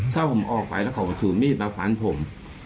ถ้าผมออกไปแล้วเขาถือมีดมาฟันผม